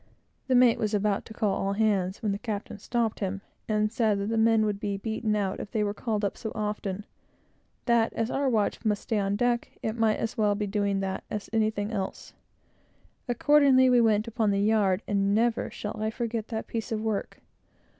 The mate was about to call all hands, when the captain stopped him, and said that the men would be beaten out if they were called up so often; that as our watch must stay on deck, it might as well be doing that as anything else. Accordingly, we went upon the yard; and never shall I forget that piece of work.